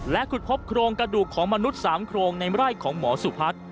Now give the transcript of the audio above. และขุดพบโครงกระดูกของมนุษย์๓โครงในไร่ของหมอสุพัฒน์